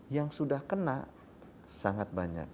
yang sudah kena sangat banyak